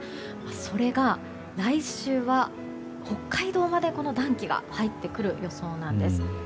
それが来週は北海道まで、この暖気が入ってくる予想なんです。